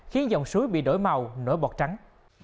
khiến dòng suối bị đổi màu nổi bọt trắng